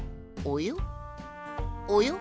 およ？